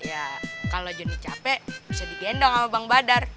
ya kalo jonny capek bisa digendong sama bang badar